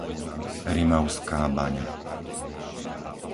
Rimavská Baňa